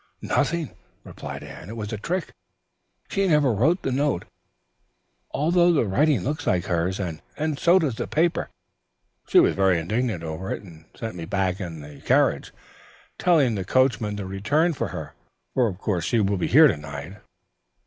"Nothing," replied Anne. "It was a trick. She never wrote the note, although the writing looks like hers, and so does the paper. She was very indignant over it and sent me back in the carriage, telling the coachman to return for her, for of course she will be here to night.